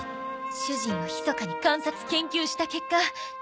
主人をひそかに観察研究した結果。